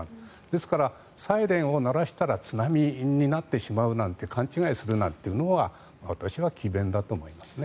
ですからサイレンを鳴らしたら津波になってしまうなんて勘違いするなんていうのは私は詭弁だと思いますね。